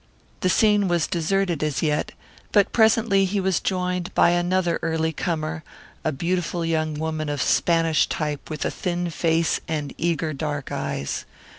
The scene was deserted as yet, but presently he was joined by another early comer, a beautiful young woman of Spanish type with a thin face and eager, dark eyes.